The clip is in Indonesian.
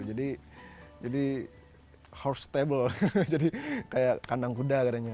jadi horse stable jadi kayak kandang kuda kadangnya